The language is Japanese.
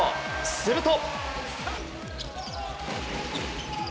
すると。